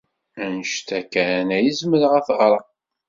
Anect-a kan ay zemreɣ ad t-ɣreɣ.